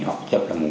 hoặc chậm là mùng ba